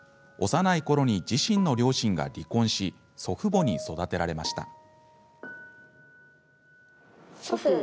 幼いころに自身の両親が離婚し祖父母に育てられました。